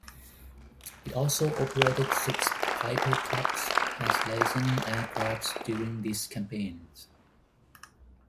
It also operated six Piper Cubs as liaison aircraft during these campaigns.